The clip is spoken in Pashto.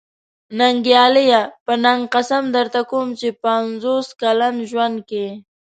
ننګياله! په ننګ قسم درته کوم چې په پنځوس کلن ژوند کې.